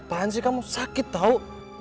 paham sih kamu sakit tau